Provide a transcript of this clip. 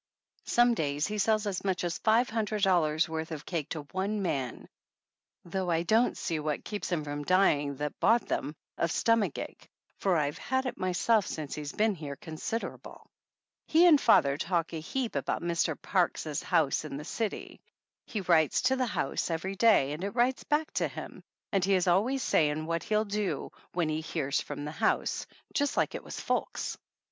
Some days he sells as much as five hundred dollars worth of cake to one man, though I don't see what keeps him from dying that bought them of stomach ache, for I've had it myself since he's been here consider able. He and father talk a heap about Mr. Parkes' "house" in the city. He writes to the house every day and it writes back to him, and he is always saying what he'll do "when he hears from the house," just like it was folks.